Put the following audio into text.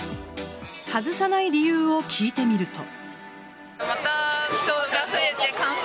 外さない理由を聞いてみると。